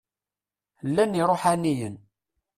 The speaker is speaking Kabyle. Llan iṛuḥaniyen.